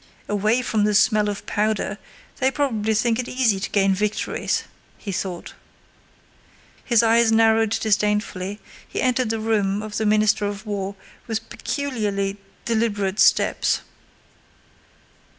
"Away from the smell of powder, they probably think it easy to gain victories!" he thought. His eyes narrowed disdainfully, he entered the room of the Minister of War with peculiarly deliberate steps.